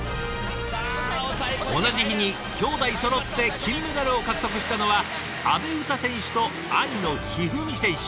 同じ日にきょうだいそろって金メダルを獲得したのは阿部詩選手と兄の一二三選手。